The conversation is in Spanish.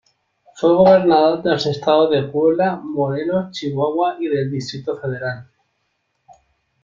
Fue gobernador de los estados de Puebla, Morelos, Chihuahua y del Distrito Federal.